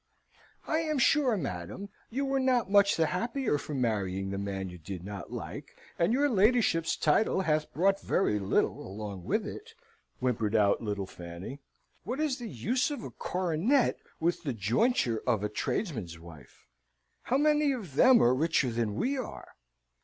"I am sure, madam, you were not much the happier for marrying the man you did not like, and your ladyship's title hath brought very little along with it," whimpered out Lady Fanny. "What is the use of a coronet with the jointure of a tradesman's wife? how many of them are richer than we are?